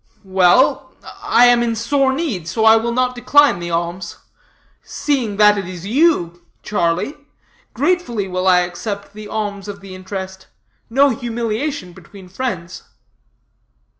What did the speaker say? "Well, I am in sore need, so I will not decline the alms. Seeing that it is you, Charlie, gratefully will I accept the alms of the interest. No humiliation between friends."